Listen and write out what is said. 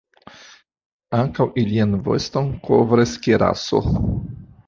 Ankaŭ ilian voston kovras kiraso.